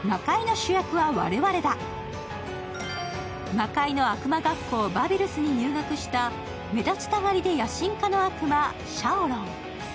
魔界の悪魔学校、バビルスに入学した目立ちたがりで野心家の悪魔シャオロン。